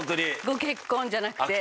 ご結婚じゃなくて。